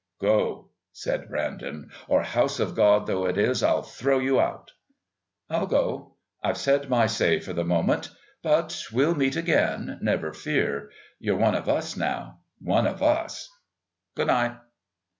"Go," said Brandon, "or, House of God though this is, I'll throw you out." "I'll go. I've said my say for the moment. But we'll meet again, never fear. You're one of us now one of us. Good night."